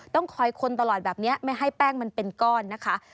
ต้องคอยคนตลอดแบบนี้ไม่ให้แป้งมันเป็นก้อนนะคะ